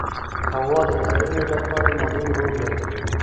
هوا د کرنې لپاره مهم رول لري